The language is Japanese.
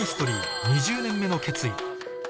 ２０年目の決意